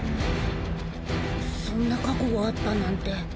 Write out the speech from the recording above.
そんな過去があったなんて。